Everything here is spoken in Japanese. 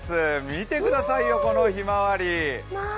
見てくださいよ、このひまわり。